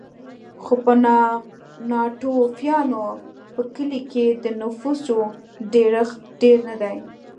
خو په ناتوفیانو په کلیو کې د نفوسو ډېرښت ډېر نه دی